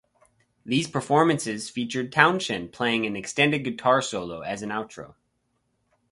These performances featured Townshend playing an extended guitar solo as an outro.